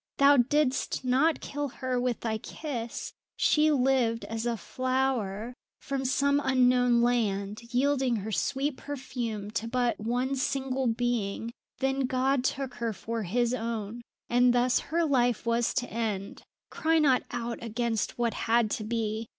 "Thou didst not kill her with thy kiss; she lived as a flower from some unknown land, yielding her sweet perfume to but one single being; then God took her for His own, and thus her life was to end. Cry not out against what had to be.